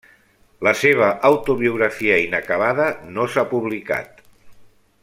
La seva autobiografia inacabada no s'ha publicat.